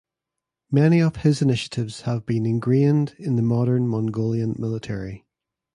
Many of his initiatives have been engrained in the modern Mongolian military.